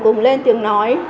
cùng lên tiếng nói